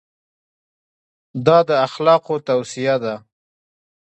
دا د اخلاقو توصیه ده.